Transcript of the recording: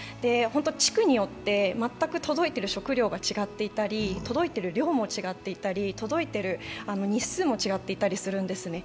地区によって全く届いている食料が違っていたり届いている量も違っていたり、届いている日数も違っていたりするんですね。